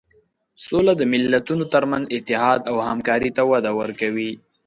سوله د ملتونو تر منځ اتحاد او همکاري ته وده ورکوي.